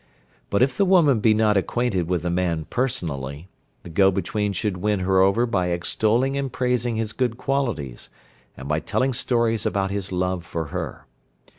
But if the woman be not acquainted with the man personally, the go between should win her over by extolling and praising his good qualities, and by telling stories about his love for her.